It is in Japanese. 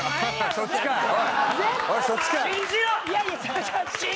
そっちかい！